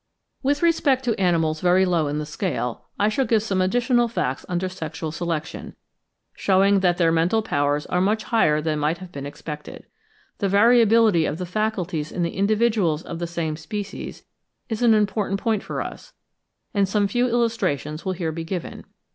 With respect to animals very low in the scale, I shall give some additional facts under Sexual Selection, shewing that their mental powers are much higher than might have been expected. The variability of the faculties in the individuals of the same species is an important point for us, and some few illustrations will here be given.